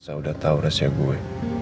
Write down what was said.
saya sudah tahu rahasia gue